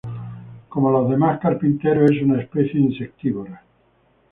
Como los demás carpinteros es una especie insectívora.